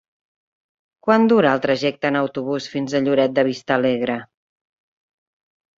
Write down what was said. Quant dura el trajecte en autobús fins a Lloret de Vistalegre?